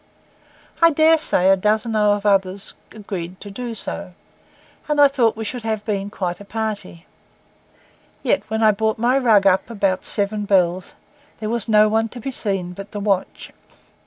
I dare say a dozen of others agreed to do so, and I thought we should have been quite a party. Yet, when I brought up my rug about seven bells, there was no one to be seen but the watch.